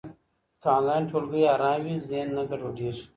که انلاین ټولګی ارام وي، ذهن نه ګډوډېږي.